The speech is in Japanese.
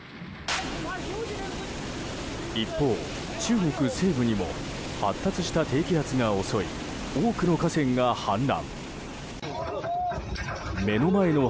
一方、中国西部にも発達した低気圧が襲い多くの河川が氾濫。